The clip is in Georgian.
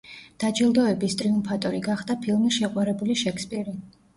დაჯილდოების ტრიუმფატორი გახდა ფილმი „შეყვარებული შექსპირი“.